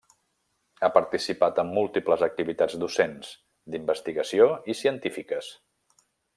Ha participat en múltiples activitats docents, d'investigació i científiques.